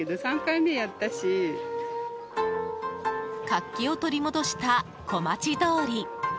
活気を取り戻した小町通り。